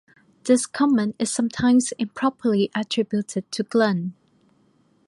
This comment is sometimes improperly attributed to Glenn.